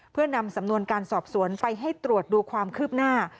เพื่อนำสำนวนการสอบสวนไปให้ตรวจดูความคืบหน้า